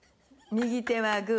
右手はグー。